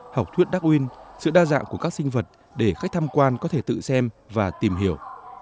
học thuyết đắc uyên sự đa dạng của các sinh vật để khách tham quan có thể tự xem và tìm hiểu